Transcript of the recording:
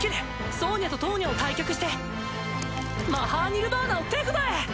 ソーニャとトーニャを退却してマハーニルヴァーナを手札へ！